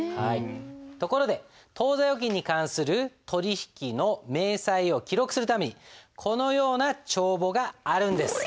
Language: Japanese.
ところで当座預金に関する取引の明細を記録するためにこのような帳簿があるんです。